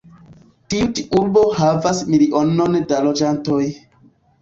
Tiu ĉi urbo havas milionon da loĝantoj.